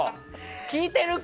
聞いてるか？